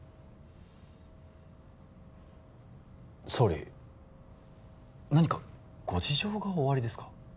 総理何かご事情がおありですか？